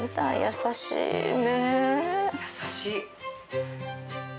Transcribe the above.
優しいね。